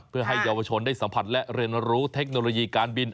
เพื่อให้เยาวชนได้สัมผัสและเรียนรู้เทคโนโลยีการบิน